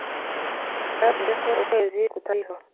cyavuze ko ukwezi kutariho,